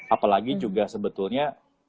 apalagi juga sebetulnya